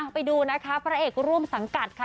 ไปดูนะคะพระเอกร่วมสังกัดค่ะ